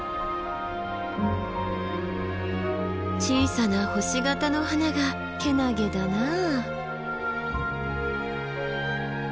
小さな星形の花がけなげだなあ。